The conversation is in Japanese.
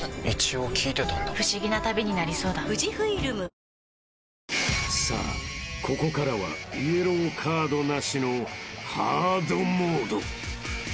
氷結［さあここからはイエローカードなしのハードモード］